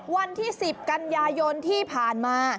วันที่๑๐กันยายนที่ผ่านมา